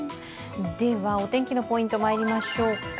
お天気のポイントまいりましょうか。